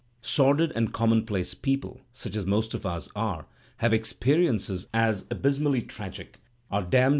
Sordid and conmionplace people, such as most of us are, have experiences as abysmally tragic, are damned